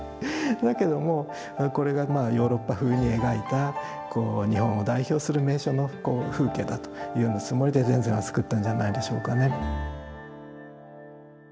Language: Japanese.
だけどもこれがまあヨーロッパ風に描いた日本を代表する名所の風景だというつもりで田善は作ったんじゃないでしょうかね。